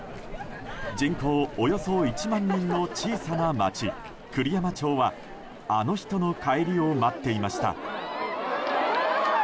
人口およそ１万人の小さな町栗山町はあの人の帰りを待っていました。